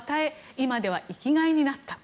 今では生きがいになった。